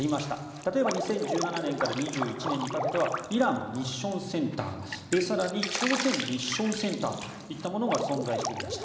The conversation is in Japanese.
例えば２０１７年から２１年にかけてはイランミッションセンター更に朝鮮ミッションセンターといったものが存在していました。